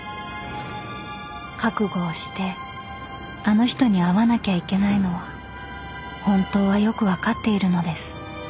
［覚悟をしてあの人に会わなきゃいけないのは本当はよく分かっているのです］